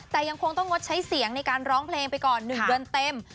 แต่ยังคงต้องงดใช้เสียงในการร้องเพลงไปก่อน๑เดือนเต็ม